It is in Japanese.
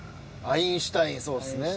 アインシュタインそうっすね。